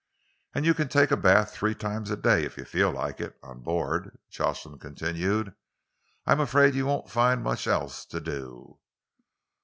"And you can take a bath three times a day, if you feel like it, on board," Jocelyn continued. "I'm afraid you won't find much else to do."